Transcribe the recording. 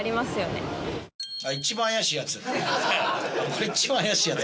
これ一番怪しいやつ。